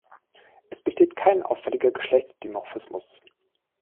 Es besteht kein auffälliger Geschlechtsdimorphismus.